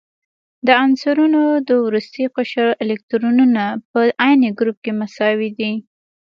د عنصرونو د وروستي قشر الکترونونه په عین ګروپ کې مساوي دي.